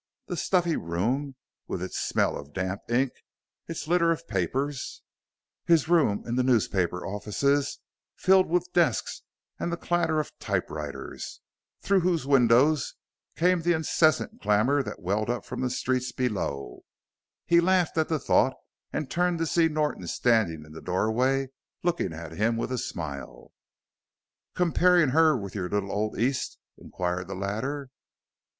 The stuffy room, with its smell of damp ink, its litter of papers his room in the newspaper offices, filled with desks and the clatter of typewriters? Through whose windows came the incessant clamor that welled up from the streets below? He laughed at the thought and turned to see Norton standing in the doorway looking at him with a smile. "Comparin' her with your little old East?" inquired the latter.